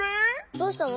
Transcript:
どうしたの？